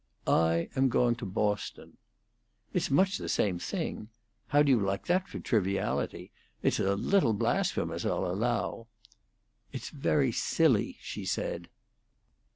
"I am going to Boston." "It's much the same thing. How do you like that for triviality? It's a little blasphemous, I'll allow." "It's very silly," she said.